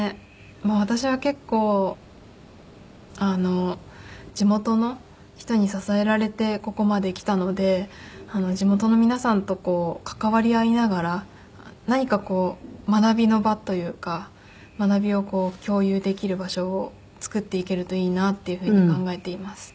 私は結構地元の人に支えられてここまできたので地元の皆さんと関わり合いながら何かこう学びの場というか学びを共有できる場所を作っていけるといいなっていうふうに考えています。